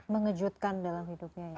mengejutkan dalam hidupnya ya